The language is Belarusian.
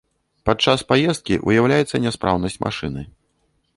Падчас паездкі выяўляецца няспраўнасць машыны.